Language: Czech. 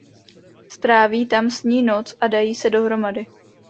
Stráví tam s ní noc a dají se dohromady.